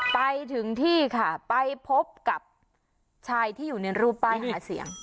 ไปถึงที่ค่ะไปพบกับชายที่อยู่ในรูปป้ายหาเสียง